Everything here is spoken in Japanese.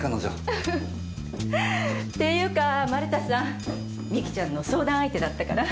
ウフフていうか丸田さん美紀ちゃんの相談相手だったから。